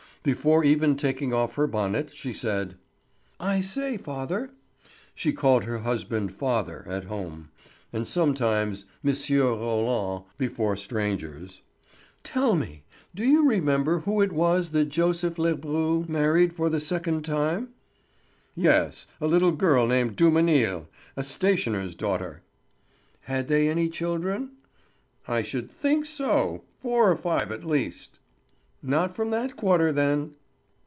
Before even taking off her bonnet she said: "I say, father" (she called her husband "father" at home, and sometimes "Monsieur Roland" before strangers), "tell me, do you remember who it was that Joseph Lebru married for the second time?" "Yes—a little girl named Dumenil, a stationer's daughter." "Had they any children?" "I should think so! four or five at least." "Not from that quarter, then."